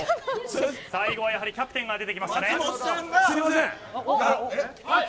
最後はキャプテンが出てきましたね。